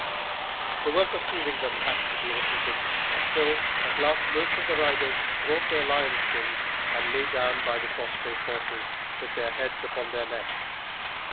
The work of soothing had then to be repeated, until at last most of the riders brought their lions' skins and lay down by the prostrate horses, with their heads upon their necks.